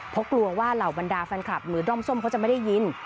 เพราะกลัวว่าเหล่าบรรดาแฟนคลับหรือด้อมส้มเขาจะไม่ได้ยิน